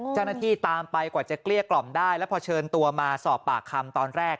เจ้าหน้าที่ตามไปกว่าจะเกลี้ยกล่อมได้แล้วพอเชิญตัวมาสอบปากคำตอนแรก